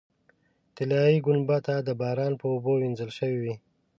طلایي ګنبده د باران په اوبو وینځل شوې وه.